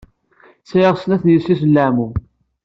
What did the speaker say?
Sɛiɣ snat n yessi-s n leɛmum.